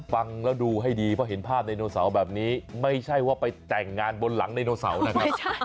ฟังแล้วดูให้ดีเพราะเห็นภาพไดโนเสาร์แบบนี้ไม่ใช่ว่าไปแต่งงานบนหลังไดโนเสาร์นะครับ